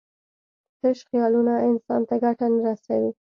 تش خیالونه انسان ته ګټه نه رسوي.